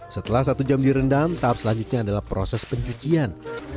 setelah satu jam direndam tahap selanjutnya adalah proses pencucian